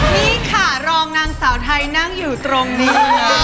นี่ค่ะรองนางสาวไทยนั่งอยู่ตรงนี้ค่ะ